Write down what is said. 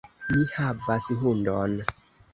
Mi havas hundon.